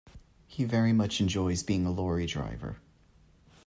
He very much enjoys being a lorry driver